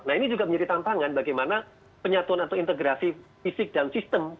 nah ini juga menjadi tantangan bagaimana penyatuan atau integrasi fisik dan sistem